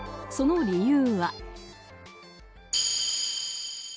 その理由は。